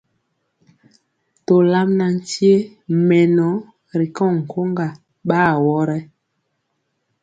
Tolam na nkye mɛnɔ ri nkoŋga ɓa awɔ rɛ.